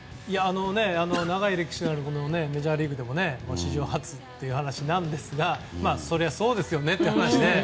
長い歴史のあるメジャーリーグでも史上初という話なんですがそれはそうですよね。